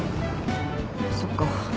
そっか。